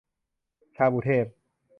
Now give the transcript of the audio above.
ชาบูเทพ